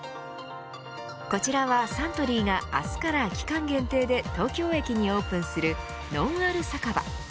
こちらはサントリーが明日から期間限定で東京駅にオープンするのんある酒場。